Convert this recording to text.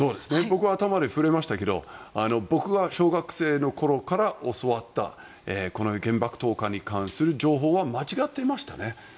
僕は冒頭で触れましたが僕が小学生の頃から教わったこの原爆投下に関する情報は間違っていましたね。